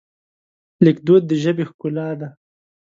لیکدود د ژبې ښکلا ده.